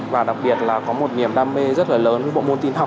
và đặc biệt là có một niềm đam mê rất là lớn với bộ môn tin học